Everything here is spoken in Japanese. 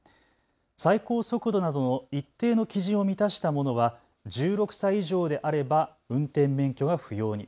最高速度などの一定の基準を満たしたものは１６歳以上であれば運転免許が不要に。